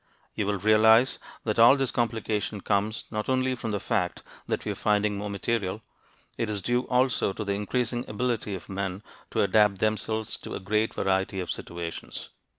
You will realize that all this complication comes not only from the fact that we are finding more material. It is due also to the increasing ability of men to adapt themselves to a great variety of situations.